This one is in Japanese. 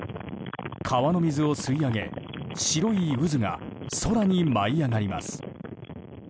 川の水を吸い上げ白い渦が空に舞い上がります。